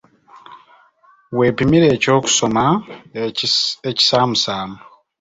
Weepimire eky'okusoma ekisaamusaamu.